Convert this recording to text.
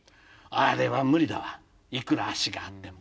あれは無理だわいくら脚があっても。